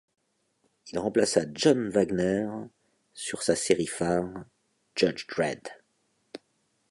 Il remplaça John Wagner sur sa série phare, Judge Dredd.